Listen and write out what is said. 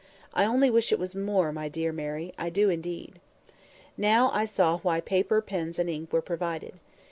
I only wish it was more; my dear Mary, I do indeed." Now I saw why paper, pens, and ink were provided.